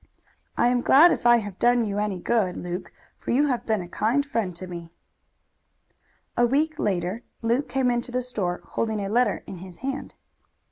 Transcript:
"I am glad if I have done you any good, Luke, for you have been a kind friend to me." A week later Luke came into the store, holding a letter in his hand.